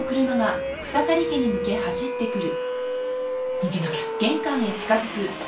逃げなきゃ。